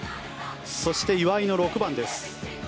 そして、岩井の６番です。